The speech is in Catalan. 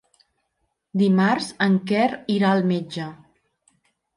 Dimarts en Quer irà al metge.